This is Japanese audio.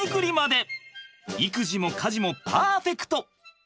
育児も家事もパーフェクト！